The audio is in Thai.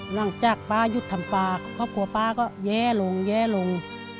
หลังจากป๊าหยุดทำปลาครอบครัวป้าก็แย่ลงแย่ลง